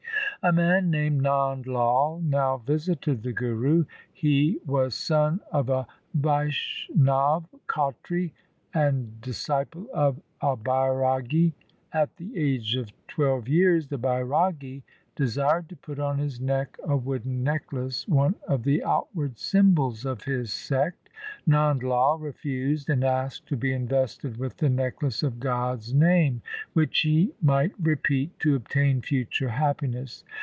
A man named Nand Lai now visited the Guru. He was son of a Vaishnav Khatri and disciple of a Bairagi. At the age of twelve years the Bairagi desired to put on his neck a wooden necklace, one of the outward symbols of his sect. Nand Lai refused, and asked to be invested with the necklace of God's name, which he might repeat to obtain future happiness.